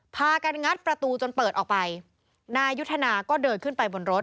พากันงัดประตูจนเปิดออกไปนายยุทธนาก็เดินขึ้นไปบนรถ